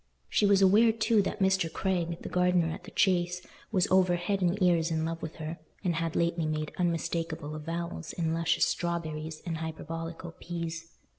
She was aware, too, that Mr. Craig, the gardener at the Chase, was over head and ears in love with her, and had lately made unmistakable avowals in luscious strawberries and hyperbolical peas.